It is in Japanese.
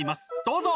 どうぞ！